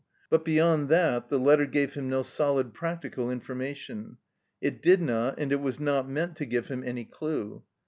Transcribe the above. But beyond that the letter gave him no solid practical informa tion. It did not and it was not meant to give him any clue.